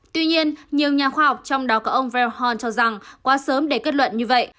tuy nhiên nhiều nhà khoa học trong đó có ông bren hòn cho rằng quá sớm để kết luận như vậy